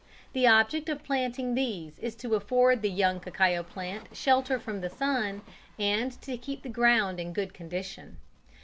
The object of planting these is to afford the young cacao plant shelter from the sun, and to keep the ground in good condition.